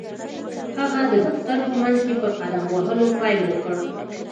هغه د دفتر په منځ کې په قدم وهلو پيل وکړ.